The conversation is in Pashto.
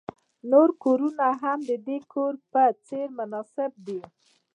نور کورونه هم د دې کور په څیر مناسب دي